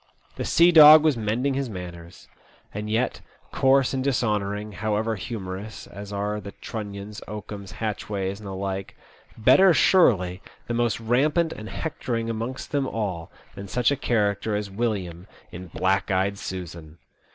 The sea dog was mending his manners. And yet, coarse and dishonouring, however humorous, as are the Trunnions, Oakums, Hatchways, and the like, better surely the most rampant and hectoring amongst them all than such a character as William in "Black ey'd Susan.'